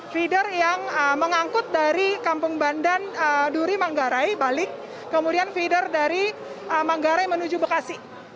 feeder yang mengangkut dari kampung bandan duri manggarai balik kemudian feeder dari manggarai menuju bekasi